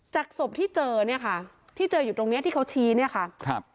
ศพที่เจอเนี่ยค่ะที่เจออยู่ตรงเนี้ยที่เขาชี้เนี่ยค่ะครับ